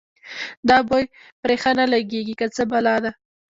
دا بوی پرې ښه نه لګېږي که څه بلا ده.